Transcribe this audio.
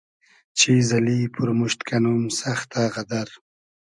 چیز اللی پورموشت کئنوم سئختۂ غئدئر